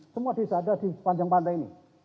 semua desa ada di sepanjang pantai ini